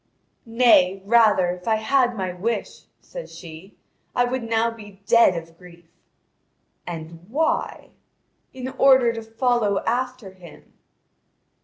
"Nay, rather, if I had my wish," says she, "I would now be dead of grief." "And why?" "In order to follow after him."